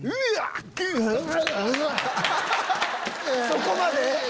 そこまで？